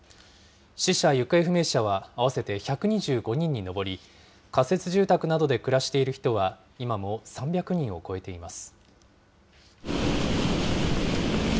死者・行方不明者は合わせて１２５人に上り、仮設住宅などで暮らしている人は今も３００人を超えています。